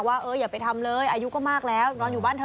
ว่าเอออย่าไปทำเลยอายุก็มากแล้วนอนอยู่บ้านเธอ